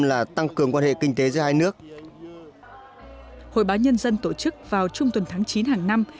là tăng cường quan hệ kinh tế giữa hai nước hội báo nhân dân tổ chức vào trung tuần tháng chín hàng năm